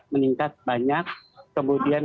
meningkat banyak kemudian